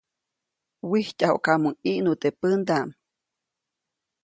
Wijtyajuʼkamuŋ ʼiʼnu teʼ pändaʼm.